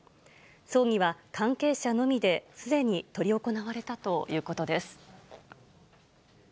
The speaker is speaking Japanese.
葬儀は関係者のみで、すでに執り行われたということです。